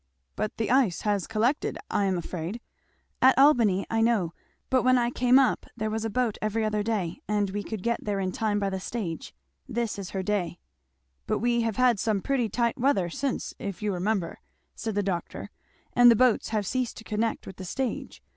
"But the ice has collected, I am afraid, " "At Albany, I know; but when I came up there was a boat every other day, and we could get there in time by the stage this is her day." "But we have had some pretty tight weather since, if you remember," said the doctor; "and the boats have ceased to connect with the stage.